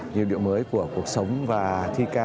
nhịp điệu mới của cuộc sống và thi ca